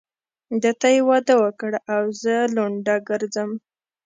ده ته يې واده وکړ او زه لونډه ګرځم.